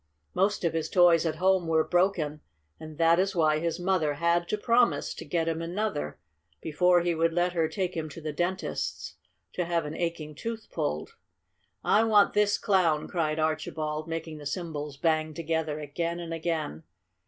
Most of his toys at home were broken, and that is why his mother had to promise to get him another before he would let her take him to the dentist's to have an aching tooth pulled. "I want this Clown!" cried Archibald, making the cymbals bang together again and again.